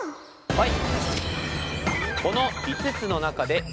はい。